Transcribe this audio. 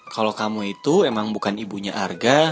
kalau kamu itu emang bukan ibunya arga